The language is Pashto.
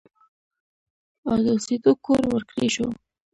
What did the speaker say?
او د اوسېدو کور ورکړی شو